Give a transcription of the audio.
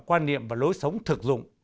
quan niệm và lối sống thực dụng